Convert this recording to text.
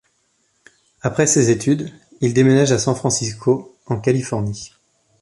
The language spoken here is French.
Après ses études, il démènage à San Francisco, en Californie.